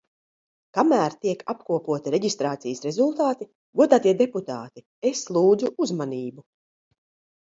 Kamēr tiek apkopoti reģistrācijas rezultāti, godātie deputāti, es lūdzu uzmanību!